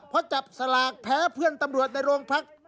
เพราะจับฉลากแผลเพื่อนตำรวจในรกพรรค